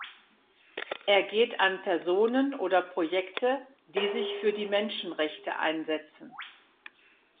Er geht an Personen oder Projekte, die sich für die Menschenrechte einsetzen.